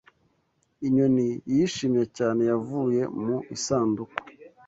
Inyoni yishimye cyane yavuye mu Isanduku!